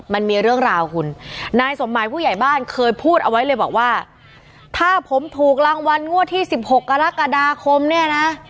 มันมีเรื่องราวคุณนายสมหมายผู้ใหญ่บ้านเคยพูดเอาไว้เลยบอกว่าถ้าผมถูกรางวัลงวดที่สิบหกกรกฎาคมเนี่ยนะ